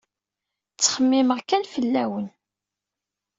Ttxemmimeɣ kan fell-awen.